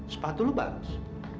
sepatu lo bagus